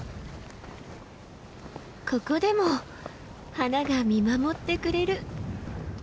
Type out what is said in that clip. ここでも花が見守ってくれる。